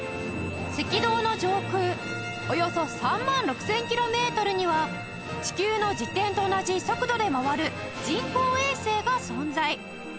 赤道の上空およそ３万６０００キロメートルには地球の自転と同じ速度で回る人工衛星が存在